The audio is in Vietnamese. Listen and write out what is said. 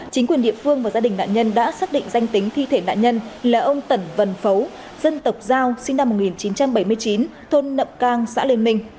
chính quyền địa phương và gia đình nạn nhân đã xác định danh tính thi thể nạn nhân là ông tẩn vân phấu dân tộc giao sinh năm một nghìn chín trăm bảy mươi chín thôn nậm cang xã liên minh